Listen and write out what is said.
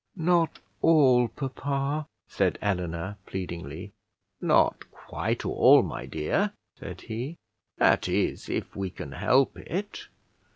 "Not all, papa," said Eleanor pleadingly. "Not quite all, my dear," said he; "that is, if we can help it.